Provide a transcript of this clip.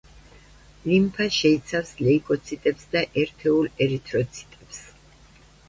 ლიმფა შეიცავს ლეიკოციტებს და ერთეულ ერითროციტებს.